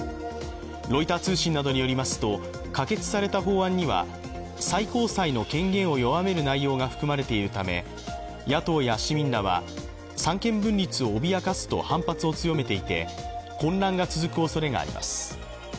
ロイター通信などによりますと、可決された法案には最高裁の権限を弱める内容が含まれているため野党や市民らは、三権分立を脅かすと反発を強めていて、混乱が続くおそれがあります。